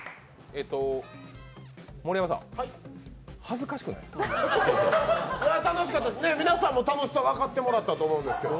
えっと盛山さん、恥ずかしくない？楽しかったです、皆さんも楽しさ、分かってもらったと思うんですけど。